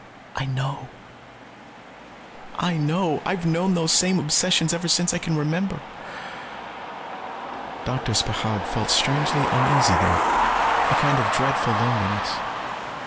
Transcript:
"I know. I know. I've known those same obsessions ever since I can remember." Doctor Spechaug felt strangely uneasy then, a kind of dreadful loneliness.